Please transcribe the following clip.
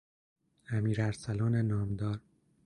امیر ارسلان نامدار